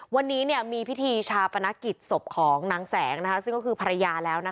วันนี้เนี่ยมีพิธีชาปนกิจศพของนางแสงนะคะซึ่งก็คือภรรยาแล้วนะคะ